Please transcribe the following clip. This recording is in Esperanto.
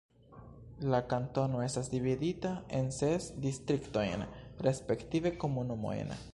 La kantono estas dividita en ses distriktojn respektive komunumojn.